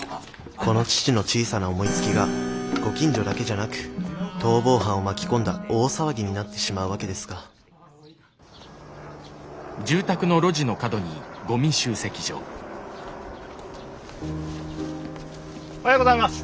この父の小さな思いつきがご近所だけじゃなく逃亡犯を巻き込んだ大騒ぎになってしまうわけですがおはようございます。